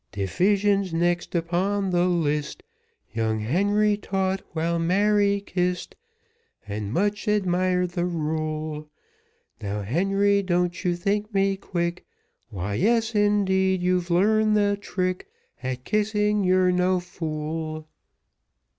Division's next upon the list; Young Henry taught while Mary kissed, And much admired the rule; "Now, Henry, don't you think me quick?" "Why, yes, indeed, you've learned the trick; At kissing you're no fool."